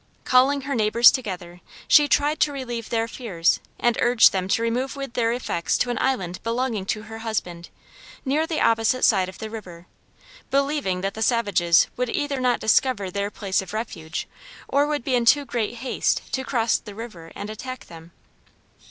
Calling her neighbors together, she tried to relieve their fears and urged them to remove with their effects to an island belonging to her husband, near the opposite side of the river, believing that the savages would either not discover their place of refuge or would be in too great haste to cross the river and attack them.